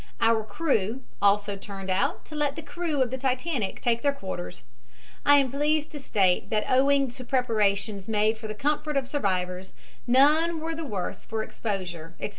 Our crew, also turned out to let the crew of the Titanic take their quarters. I am pleased to state that owing to preparations made for the comfort of survivors, none were the worse for exposure, etc.